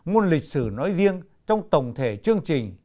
môn lịch sử nói riêng trong tổng thể chương trình